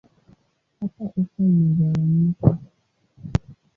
Hapa ufa imegawanyika.